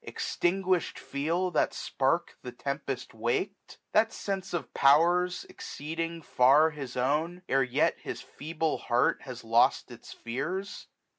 Extinguished feel that spark the tempest wak'd ? 1 240 That s6nse of powers exceeding far his own, Ere yet his feeble heart has lost its fears